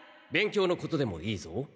勉強のことでもいいぞ。